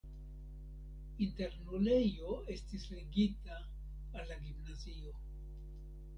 Internulejo estis ligita al la gimnazio.